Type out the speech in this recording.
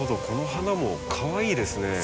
この花もかわいいですね。